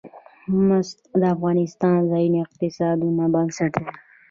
مس د افغانستان د ځایي اقتصادونو بنسټ دی.